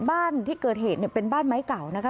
บ้านที่เกิดเหตุเนี่ยเป็นบ้านไม้เก่านะคะ